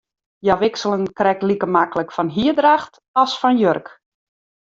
Hja wikselen krekt like maklik fan hierdracht as fan jurk.